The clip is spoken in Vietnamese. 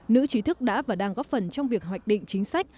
nữ trí thức đã và đang góp phần trong việc hoạch định chính sách